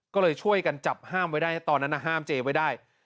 ก็เลยช่วยกันจับห้ามไว้ได้ตอนนั้นห้ามเจไว้ได้